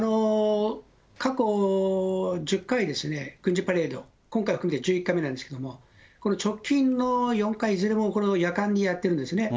過去１０回ですね、軍事パレード、今回含めて１１回目なんですけど、この直近の４回いずれも、夜間にやってるんですね。